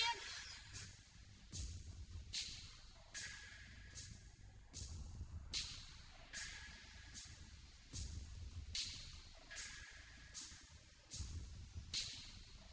sampai jumpa nakan